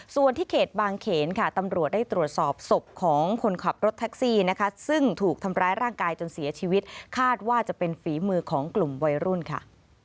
ส่วนที่เขตบางเขนค่ะตำรวจได้ตรวจสอบศพของคนขับรถแท็กซี่นะคะซึ่งถูกทำร้ายร่างกายจนเสียชีวิตคาดว่าจะเป็นฝีมือของกลุ่มวัยรุ่นค่ะ